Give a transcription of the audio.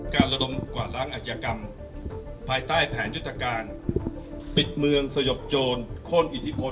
ระดมกวาดล้างอาชญากรรมภายใต้แผนยุทธการปิดเมืองสยบโจรโค้นอิทธิพล